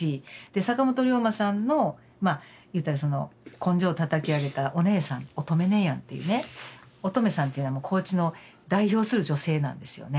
坂本龍馬さんのまあいうたらその根性たたき上げたお姉さんおとめねえやんっていうねおとめさんっていうのは高知の代表する女性なんですよね。